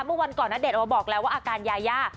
เมื่อวันก่อนณเดชนโอบอกแล้วว่าอาการยายา